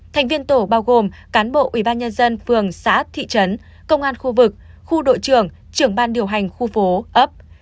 thành viên tổ bao gồm cán bộ ubnd phường xã thị trấn công an khu vực khu đội trưởng trưởng ban điều hành khu phố ấp